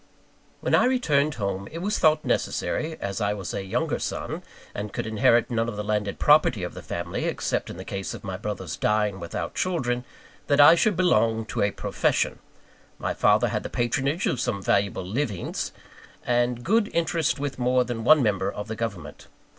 When I returned home, it was thought necessary, as I was a younger son, and could inherit none of the landed property of the family, except in the case of my brother's dying without children, that I should belong to a profession. My father had the patronage of some valuable "livings," and good interest with more than one member of the government.